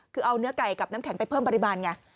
คือเอาเนื้อไก่กับน้ำแข็งไปเพิ่มปริมาณไง